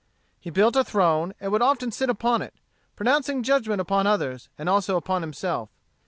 He built a throne, and would often sit upon it, pronouncing judgment upon others, and also upon himself.